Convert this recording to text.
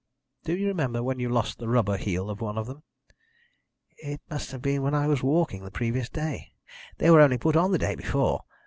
"Do you remember when you lost the rubber heel of one of them?" "It must have been when I was walking the previous day. They were only put on the day before.